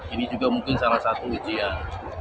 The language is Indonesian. ini juga mungkin salah satu ujian